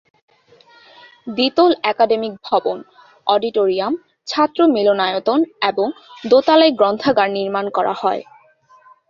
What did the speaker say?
দ্বিতল একাডেমিক ভবন, অডিটরিয়াম, ছাত্র মিলনায়তন এবং দোতলায় গ্রন্থাগার নির্মাণ করা হয়।